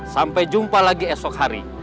sampai jumpa lagi esok hari